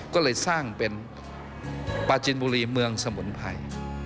ก็เลยสร้างเป็นปาจินบุรีเมืองสมุนไพร